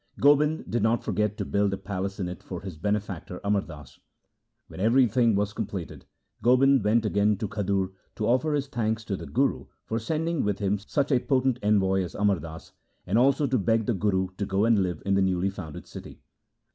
Gobind did not forget to build a palace in it for his benefactor Amar Das. When everything was completed, Gobind went again to Khadur to offer his thanks to the Guru for sending with him such a potent envoy as Amar Das, and also to beg the Guru to go and live in the newly founded city.